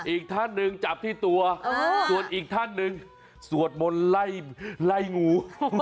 อีกท่านหนึ่งจับที่ตัวส่วนอีกท่านหนึ่งสวดมนต์ไล่งู